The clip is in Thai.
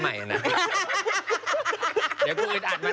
ปลาหมึกแท้เต่าทองอร่อยทั้งชนิดเส้นบดเต็มตัว